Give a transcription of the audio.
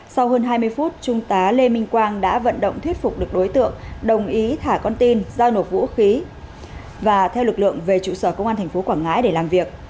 sau hơn hai mươi phút trung tá lê minh quang đã vận động thuyết phục được đối tượng đồng ý thả con tin giao nộp vũ khí và theo lực lượng về trụ sở công an tp quảng ngãi để làm việc